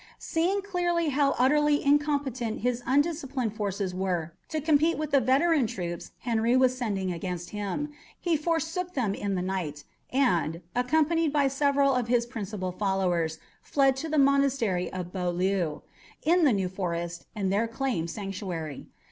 Seeing clearly how utterly incompetent his undisciplined forces were to compete with the veteran troops Henry was sending against him, he forsook them in the night, and, accompanied by several of his principal followers, fled to the monastery of Beaulieu, in the New Forest, and there claimed sanctuary.